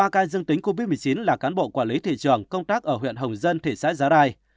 ba ca dương tính covid một mươi chín là cán bộ quản lý thị trường công tác ở huyện hồng dân thị xã giá rai